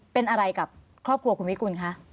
เป็นอะไรกับครอบครัวคุณวิกุลคะ